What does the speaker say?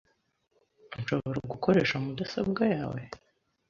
Nshobora gukoresha mudasobwa yawe?